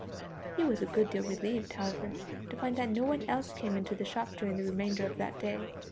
He was a good deal relieved, however, to find that no one else came into the shop during the remainder of that day.